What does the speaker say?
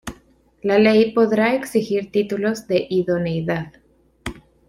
La ley podrá exigir títulos de idoneidad.